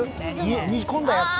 煮込んだやつ？